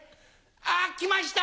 あっ来ました！